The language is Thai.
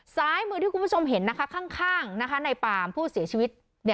ซ้ายมือที่คุณผู้ชมเห็นนะคะข้างในปามผู้เสียชีวิต